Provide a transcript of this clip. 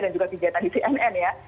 dan juga kegiatan di cnn ya